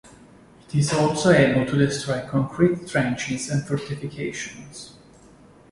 It is also able to destroy concrete trenches and fortifications.